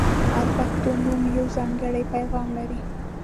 • هر پښتو نوم یو ځانګړی پیغام لري.